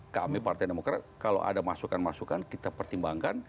kami partai demokrat kalau ada masukan masukan kita pertimbangkan